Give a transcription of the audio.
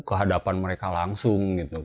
ke hadapan mereka langsung